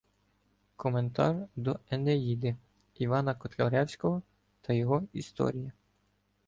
КОМЕНТАР ДО "ЕНЕЇДИ" ІВАНА КОТЛЯРЕВСЬКОГО ТА ЙОГО ІСТОРІЯ